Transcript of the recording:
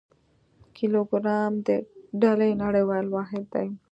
کیلوګرام د ډلي نړیوال واحد دی.